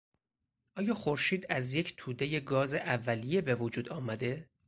آیا خورشید از یک تودهی گاز اولیه به وجود آمده؟